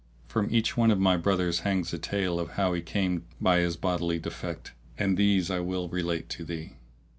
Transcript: From each one of my brothers hangs a tale of how he came by his bodily defect and these I will relate to thee."